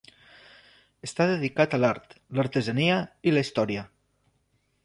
Està dedicat a l'art, l'artesania i la història.